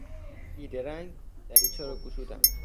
بیدرنگ دریچه را گشودم.